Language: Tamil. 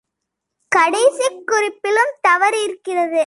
கடைசிக் குறிப்பிலும் தவறு இருக்கிறது.